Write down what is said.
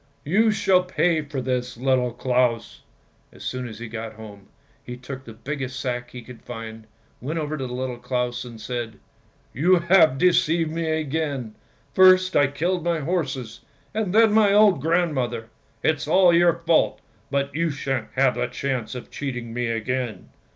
:< You shall pay for this, Little Claus! " As soon as he got home, he took the biggest sack he could find, went over to Little Claus and said, —" You have deceived me again! First I killed my horses, and then my old grandmother! It's all your fault, but you shan't have the chance of cheating me again!